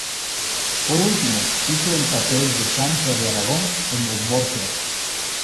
Por último, hizo el papel de Sancha de Aragón en "Los Borgia".